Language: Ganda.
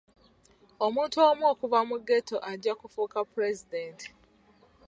Omuntu omu okuva mu ghetto ajja kufuuka pulezidenti.